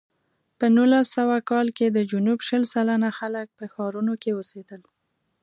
په نولس سوه کال کې د جنوب شل سلنه خلک په ښارونو کې اوسېدل.